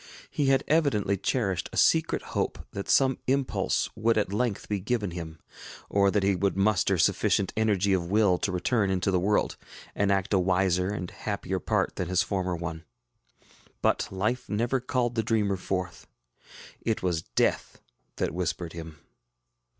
He had evidently cherished a secret hope that some impulse would at length be given him, or that he would muster sufficient energy of will to return into the world, and act a wiser and happier part than his former one. But life never called the dreamer forth; it was Death that whispered him.